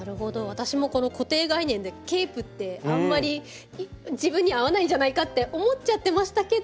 私も固定概念でケープってあんまり自分に合わないんじゃないかって思っちゃってましたけど。